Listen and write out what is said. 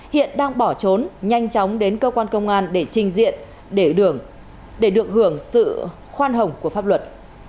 hiện đang bỏ trốn nhanh chóng đến cơ quan công an để trình diện để được hưởng sự khoan hồng của pháp luật